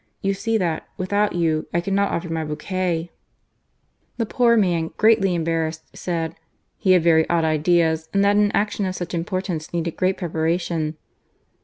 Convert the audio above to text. You see that, without you, I cannot offer my bouquet !" The poor man, greatly embarrassed, said " he had very odd ideas ; and that an action of such importance needed great preparation."